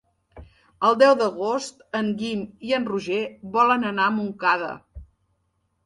El deu d'agost en Guim i en Roger volen anar a Montcada.